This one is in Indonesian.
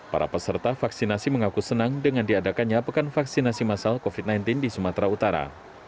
para peserta vaksinasi mengaku senang dengan diadakannya pekan vaksinasi masal covid sembilan belas di sumatera utara